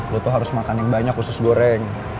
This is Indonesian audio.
lo tuh harus makan yang banyak khusus goreng